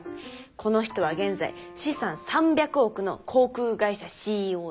この人は現在資産３００億の航空会社ＣＥＯです。